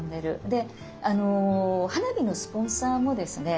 で花火のスポンサーもですね